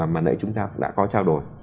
mà nãy chúng ta đã có trao đổi